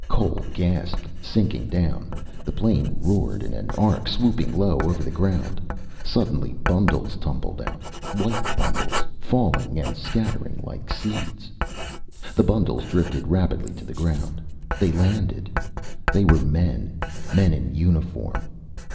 Cole gasped, sinking down. The plane roared in an arc, swooping low over the ground. Suddenly bundles tumbled out, white bundles falling and scattering like seeds. The bundles drifted rapidly to the ground. They landed. They were men. Men in uniform.